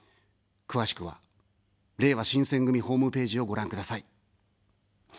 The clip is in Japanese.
詳しくは、れいわ新選組ホームページをご覧ください。